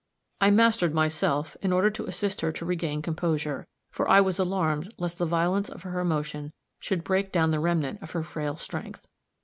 I mastered myself in order to assist her to regain composure, for I was alarmed lest the violence of her emotion should break down the remnant of her frail strength.